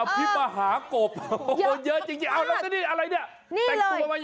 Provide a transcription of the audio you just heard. พี่มาหากบเยอะจริงแล้วนี่อะไรเนี่ย